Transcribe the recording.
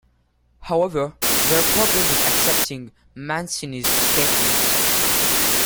However, there are problems with accepting Mancini's statement.